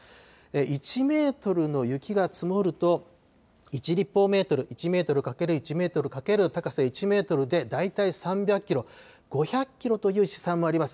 １メートルの雪が積もると、１立方メートル、１メートル×１メートル×高さ１メートルで大体３００キロ、５００キロという試算もあります。